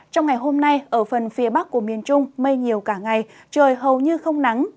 trong ngày hôm nay ở phần phía bắc của miền trung mây nhiều cả ngày trời hầu như không nắng